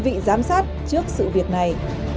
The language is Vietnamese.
mỗi người dân sẽ là đơn vị giám sát trước sự việc này